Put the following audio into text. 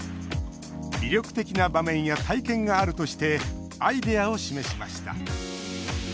魅力的な場面や体験があるとしてアイデアを示しました。